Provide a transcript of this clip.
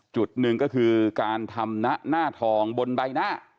จุดหนึ่งก็คือการทำหน้าทองบนใบหน้า